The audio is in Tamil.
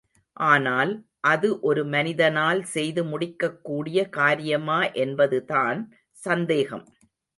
ஆனால், அது ஒரு மனிதனால் செய்து முடிக்கக்கூடிய காரியமா என்பதுதான் சந்தேகம்.